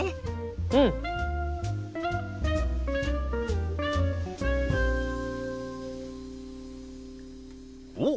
うん！おっ！